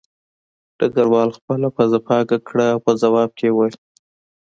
ډګروال خپله پوزه پاکه کړه او په ځواب کې یې وویل